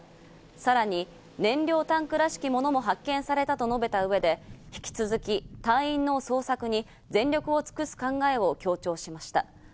さらに、燃料タンクらしきものも発見されたと述べた上で、引き続き、隊員の捜索に全力を尽くす考えを強調しました。